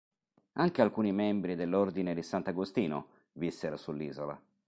Anche alcuni membri dell'Ordine di Sant'Agostino vissero sull'isola.